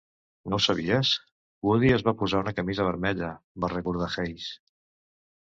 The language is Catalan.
"No ho sabies? Woody es va posar una camisa vermella", va recordar Hays.